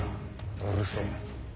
うるせぇ。